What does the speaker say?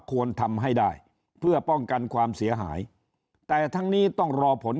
ควรทำให้ได้เพื่อป้องกันความเสียหายแต่ทั้งนี้ต้องรอผล